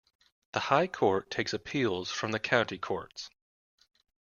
The High Court takes appeals from the County Courts.